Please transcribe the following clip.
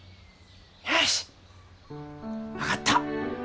よし分かった。